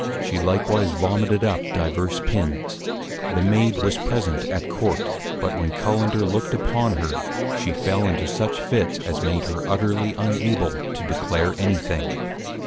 _ She likewise Vomited up diverse Pins. The Maid was Present at Court, but when Cullender look'd upon her, she fell into such Fits, as made her utterly unable to declare any thing.